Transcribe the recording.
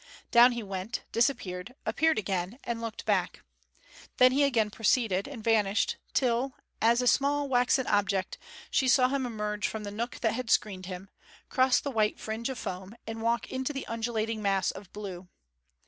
Down he went, disappeared, appeared again, and looked back. Then he again proceeded, and vanished, till, as a small waxen object, she saw him emerge from the nook that had screened him, cross the white fringe of foam, and walk into the undulating mass of blue.